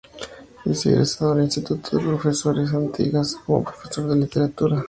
Es egresado del Instituto de Profesores Artigas como profesor de literatura.